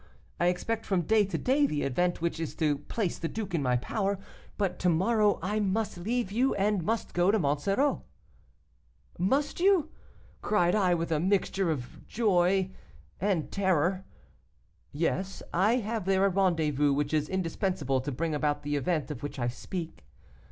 I expect from day to day the event which is to place the duke in my power. But tomorrow I must leave you, and must go to Monsoreau.' 'Must you?' cried I with a mixture of joy and terror. 'Yes, I have there a rendezvous which is indispensable to bring about the event of which I speak.